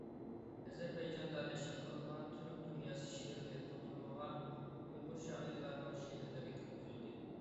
ئەزەربەيجاندا نەشر قىلىنغان «تۈرك دۇنياسى شېئىرلىرى توپلىمى»غا ئۇيغۇر شائىرلارنىڭ شېئىرلىرى كىرگۈزۈلدى.